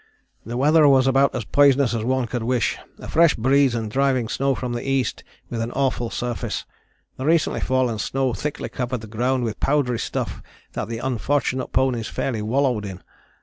" "The weather was about as poisonous as one could wish; a fresh breeze and driving snow from the E. with an awful surface. The recently fallen snow thickly covered the ground with powdery stuff that the unfortunate ponies fairly wallowed in.